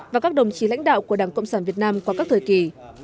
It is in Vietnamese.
và các đồng chí lãnh đạo của đảng cộng sản việt nam qua các thời kỳ